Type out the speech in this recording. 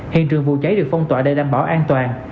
hiện trường vụ cháy được phong tỏa để đảm bảo an toàn